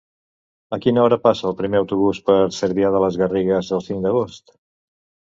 A quina hora passa el primer autobús per Cervià de les Garrigues el cinc d'agost?